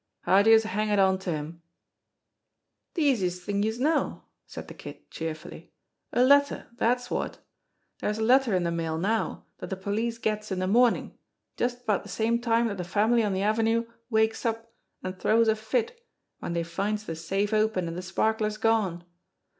How'd youse hang it onto him?" "De easiest thing youse know," said the Kid cheerfully. "A letter dat's wot. Dere's a letter in de mail now dat de police gets in de mornin', just about de same time dat de family on de Avenue wakes up an' t'rows a fit w'en dey finds de safe open an' de sparklers gone.